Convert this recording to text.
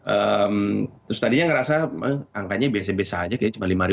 terus tadinya ngerasa angkanya biasa biasa aja kayaknya cuma lima